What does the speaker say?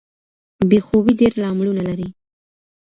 بې خوبۍ ډیر لاملونه لري.